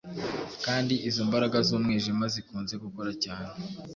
kandi izo mbaraga z’umwijima zikunze gukora cyane